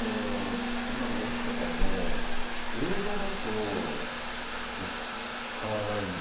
今の「押忍」とかも映画だときっと使わないんですよ。